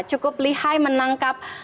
cukup lihai menangkap